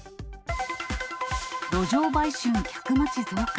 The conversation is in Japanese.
路上売春、客待ち増加。